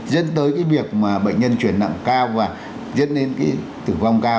dẫn tới cái việc mà bệnh nhân chuyển nặng cao và dẫn đến cái tử vong cao